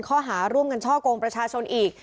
ข้อหาร่วมกันช่อกงประชาชนอีก